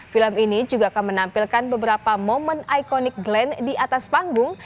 film ini juga akan menampilkan beberapa momen ikonik glenn di atas panggung